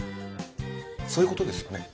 そういうことですよね？